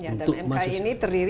untuk masuk ya dan mki ini terdiri